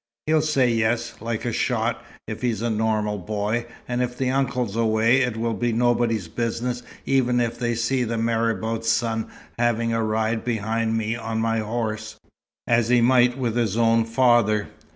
He'll say yes, like a shot, if he's a normal boy. And if the uncle's away, it will be nobody's business even if they see the marabout's son having a ride behind me on my horse, as he might with his own father.